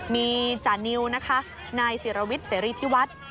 มีจานิวนะคะนายศิรวิทย์เสรีธิวัฒน์